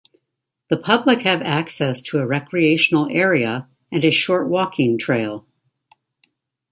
The public have access to a recreational area and a short walking trail.